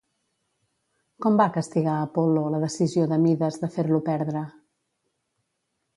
Com va castigar Apol·lo la decisió de Mides de fer-lo perdre?